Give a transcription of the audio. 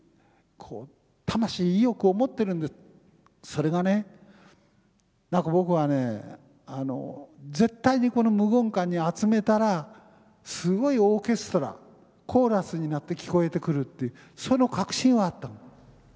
それがね何か僕はね絶対にこの無言館に集めたらすごいオーケストラコーラスになって聴こえてくるっていうその確信はあったの。